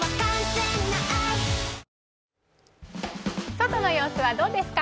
外の様子はどうですか？